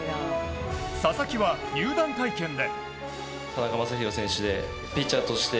佐々木は入団会見で。